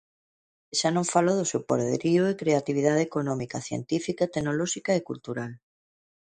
E xa non falo do seu poderío e creatividade económica, científica, tecnolóxica e cultural.